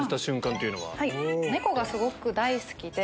猫がすごく大好きで。